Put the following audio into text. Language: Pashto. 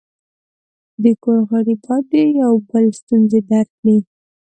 د کور غړي باید د یو بل ستونزې درک کړي.